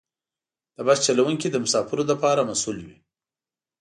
د بس چلوونکي د مسافرو لپاره مسؤل وي.